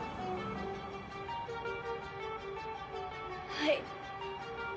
はい。